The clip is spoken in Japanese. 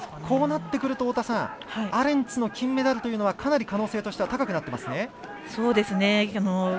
こうなってくるとアレンツの金メダルというのはかなり可能性としては高くなっていますね。